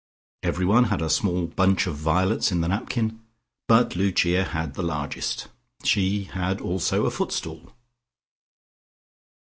Everyone had a small bunch of violets in the napkin, but Lucia had the largest. She had also a footstool.